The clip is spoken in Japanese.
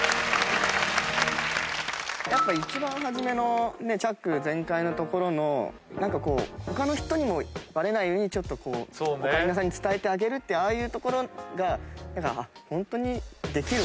やっぱ一番初めのチャック全開のところの何か他の人にもバレないようにオカリナさんに伝えてあげるっていうああいうところがホントに。